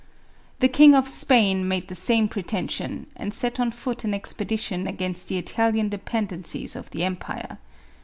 The King of Spain made the same preten sion, and set on foot an expedition againsMhe Italian dependencies of the empire.